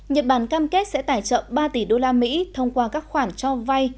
nhật bản cam kết sẽ tài trợ ba tỷ đô la mỹ thông qua các khoản cho vay